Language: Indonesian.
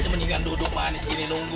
mendingan duduk manis gini nunggu